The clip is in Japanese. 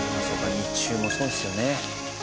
日中もそうですよね。